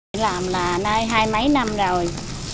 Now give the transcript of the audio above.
mình làm là nay hai mấy năm rồi